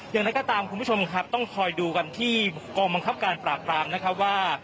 อย่างไรก็ตามคุณผู้ชมครับต้องคอยดูกันที่กองบังคับการปราบรามนะครับว่า